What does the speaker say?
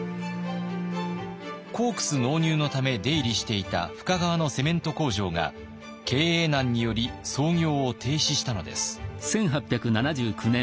コークス納入のため出入りしていた深川のセメント工場が経営難により操業を停止したのです。